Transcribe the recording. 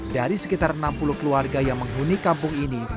dari sekitar enam puluh keluarga yang menghuni kampung ini